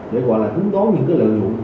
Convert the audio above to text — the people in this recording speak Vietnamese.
để gọi là tính tón những cái lợi dụng